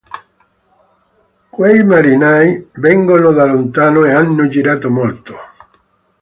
Quei marinai vengono da lontano e hanno girato molto.